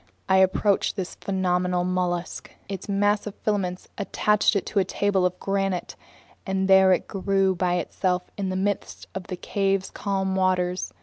I approached this phenomenal mollusk. Its mass of filaments attached it to a table of granite, and there it grew by itself in the midst of the cave's calm waters.